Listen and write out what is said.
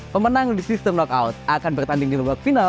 pemenang di sistem knockout akan bertanding di babak final